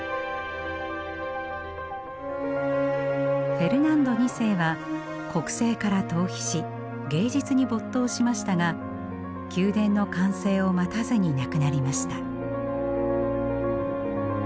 フェルナンド２世は国政から逃避し芸術に没頭しましたが宮殿の完成を待たずに亡くなりました。